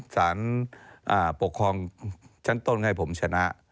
สารปกครองชั้นต้นให้ผมชนะ